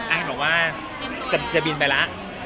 บอกว่าจะบินไปแล้ว